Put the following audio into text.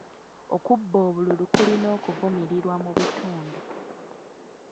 Okubba obululu kulina okuvumirirwa mu bitundu.